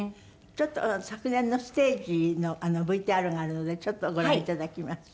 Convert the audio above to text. ちょっと昨年のステージのＶＴＲがあるのでちょっとご覧いただきます。